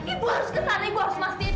ibu harus kesana ibu harus mastiin